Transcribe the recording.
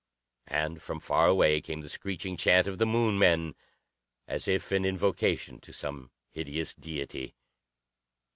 And from far away came the screeching chant of the Moon men, as if in invocation to some hideous deity.